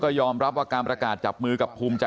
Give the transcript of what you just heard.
ขอบคุณเลยนะฮะคุณแพทองธานิปรบมือขอบคุณเลยนะฮะ